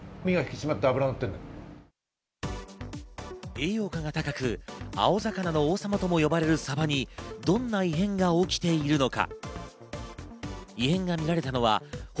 栄養価が高く、青魚の王様とも呼ばれるサバにどんな異変が起きているのか？